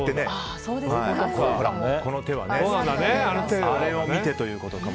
この手はあれを見てということですね。